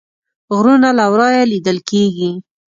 غرونه له ورایه لیدل کیږي